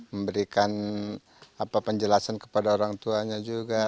memberikan penjelasan kepada orang tuanya juga